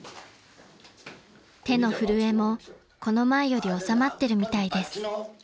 ［手の震えもこの前より治まってるみたいです］